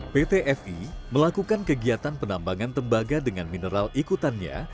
pt fi melakukan kegiatan penambangan tembaga dengan mineral ikutannya